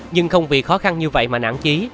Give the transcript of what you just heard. nhưng không vì khó khăn như vậy mà nản trí